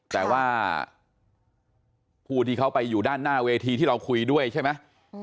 แต่ว่าผู้ที่เขาไปอยู่ด้านหน้าเวทีที่เราคุยด้วยใช่ไหม